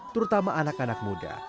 terutama anak anak muda